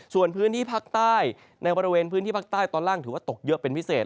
ส่วนพื้นที่ภาคใต้ในบริเวณพื้นที่ภาคใต้ตอนล่างถือว่าตกเยอะเป็นพิเศษ